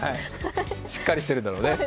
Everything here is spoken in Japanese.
しっかりしているんだろうね。